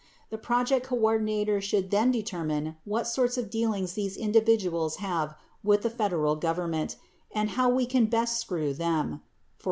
The project coordinator should then determine what sorts of dealings these individuals have with the Federal govern ment and how we can best screw them {e.